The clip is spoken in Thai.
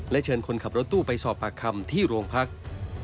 เชิญคนขับรถตู้ไปสอบปากคำที่โรงพัก